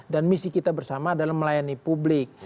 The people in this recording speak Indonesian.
dan misi kita bersama adalah melayani publik